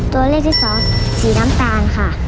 ตัวเลือกที่สองสีน้ำตาลค่ะ